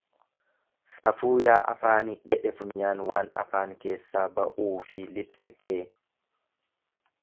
Safuu yaa afaanii jedhe funyaan waan afaan keessaa ba'uufi lixu argee.